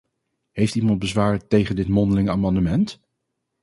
Heeft iemand bezwaar tegen dit mondelinge amendement?